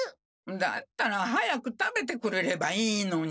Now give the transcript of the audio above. だったら早く食べてくれればいいのに。